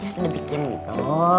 jus lu bikin gitu